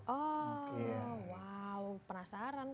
oh wow penasaran kan